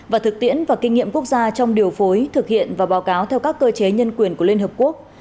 và thực tiễn và kinh nghiệm quốc gia trong điều phối thực hiện và báo cáo theo các cơ chế nhân quyền của liên hợp quốc